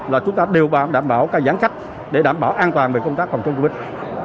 là chúng ta đều đảm bảo các giãn cách để đảm bảo an toàn về công tác phòng chống dịch